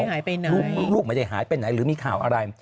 หายไปไหนลูกไม่ได้หายไปไหนหรือมีข่าวอะไร